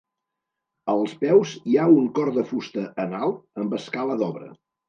Als peus hi ha un cor de fusta en alt, amb escala d'obra.